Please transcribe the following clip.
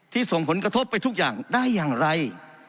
ส่งผลกระทบไปทุกอย่างได้อย่างไร